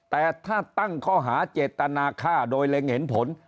แต่ถ้าตั้งข้อหาเจตนาฆ่าโดยเล็งเห็นผล